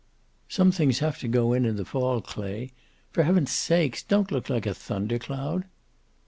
"Some things have to go in in the fall, Clay. For heaven's sake, don't look like a thunder cloud."